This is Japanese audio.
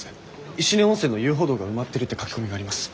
石音温泉の遊歩道が埋まってるって書き込みがあります。